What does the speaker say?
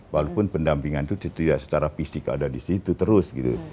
walaupun pendampingan itu tidak secara fisik ada di situ terus gitu